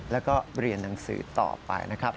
แล้วก็เรียนหนังสือต่อไปนะครับ